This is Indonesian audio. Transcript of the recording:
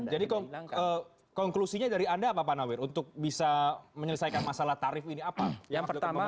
jadi konklusinya dari anda apa pak nawir untuk bisa menyelesaikan masalah tarif ini apa